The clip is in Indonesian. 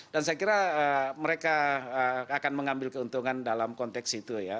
dan saya kira mereka akan mengambil keuntungan dalam konteks itu ya